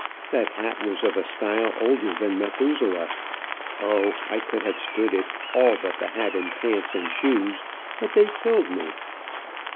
That hat was of a style older than Methuselah. O, I could have stood it, all but the hat, and pants, and shoes, but they killed me.